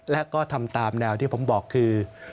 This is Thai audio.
และก็ทำตามแนวที่ผมบอกคือ